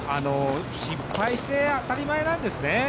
失敗して当たり前なんですね。